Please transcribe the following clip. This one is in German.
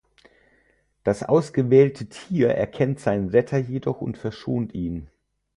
Das ausgewählte Tier erkennt seinen Retter jedoch und verschont ihn.